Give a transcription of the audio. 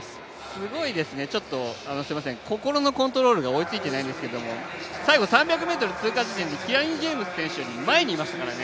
すごいですねちょっと、心のコントロールが追いついていませんけれども最後３００ｍ通過時点でキラニ・ジェームズ選手より前にいましたからね。